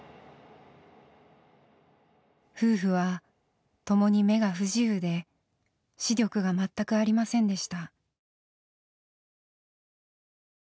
夫婦は共に目が不自由で視力が全くありませんでした。